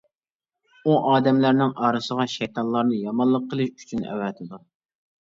ئۇ ئادەملەرنىڭ ئارىسىغا شەيتانلارنى يامانلىق قىلىش ئۈچۈن ئەۋەتىدۇ.